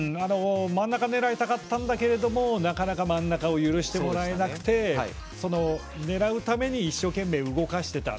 真ん中狙いたかったけどなかなか真ん中を許してもらえなくて狙うために、一生懸命動かしてた。